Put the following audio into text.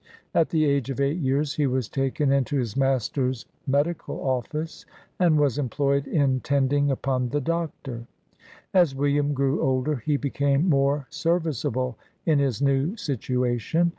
At the age of eight rears, he was taken into his master's reed ical office, and was employed in tending upon the Doctor. As "William grew older, he became more serviceable in his new situation.